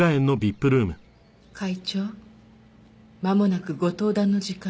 会長まもなくご登壇の時間です。